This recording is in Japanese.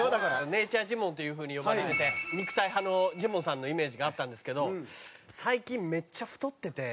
ネイチャージモンっていう風に呼ばれてて肉体派のジモンさんのイメージがあったんですけど最近めっちゃ太ってて。